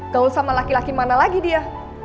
gaul sama laki laki mana lagi dia